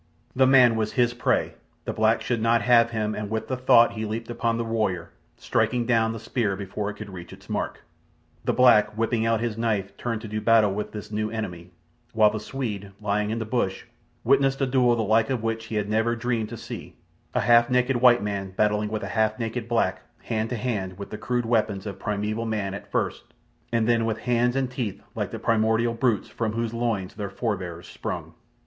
The man was his prey—the black should not have him, and with the thought he leaped upon the warrior, striking down the spear before it could reach its mark. The black, whipping out his knife, turned to do battle with this new enemy, while the Swede, lying in the bush, witnessed a duel, the like of which he had never dreamed to see—a half naked white man battling with a half naked black, hand to hand with the crude weapons of primeval man at first, and then with hands and teeth like the primordial brutes from whose loins their forebears sprung.